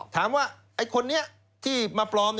ถามว่าไอ้คนนี้ที่มาปลอม